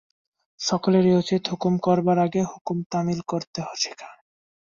সকলেরই উচিত, হুকুম করবার আগে হুকুম তামিল করতে শেখা।